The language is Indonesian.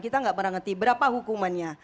kita nggak pernah ngerti berapa hukumannya